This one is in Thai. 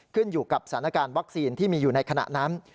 ขึ้นอยู่กับสถานการณ์วัคซีนที่มีอยู่ในขณะนั้น